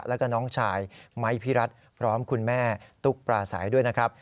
แล้วก็น้องชายไม้พิรัตน์พร้อมคุณแม่ตุ๊กปราศัยด้วยนะครับ